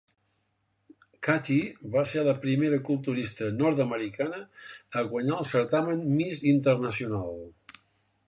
Cathey va ser la primera culturista nord-americana a guanyar el certamen Miss Internacional.